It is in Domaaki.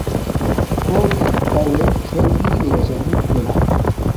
کوکن ۃوت کیھل نی ارے چھا ہنزو نا